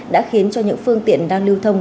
đã khiến cho những phương tiện đang lưu thông